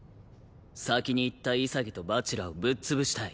先に行った潔と蜂楽をぶっ潰したい。